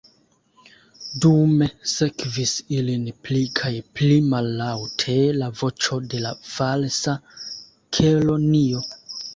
Dume sekvis ilin pli kaj pli mallaŭte la voĉo de la Falsa Kelonio.